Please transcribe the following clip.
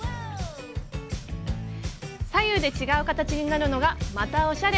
左右で違う形になるのがまたおしゃれ。